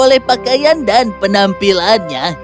dengan kekayaan dan penampilannya